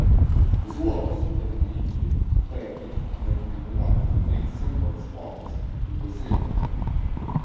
His works, predominantly poetic, made him one of the main Symbolist authors in Brazil.